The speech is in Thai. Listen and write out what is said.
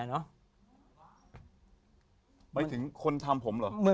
หมายถึงคนทำผมเหรอ